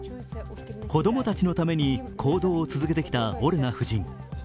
子供たちのために行動を続けてきたオレナ夫人。